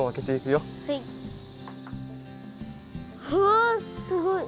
わあすごい！